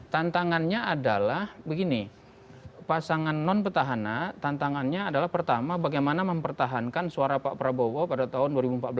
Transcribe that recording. tantangannya adalah begini pasangan non petahana tantangannya adalah pertama bagaimana mempertahankan suara pak prabowo pada tahun dua ribu empat belas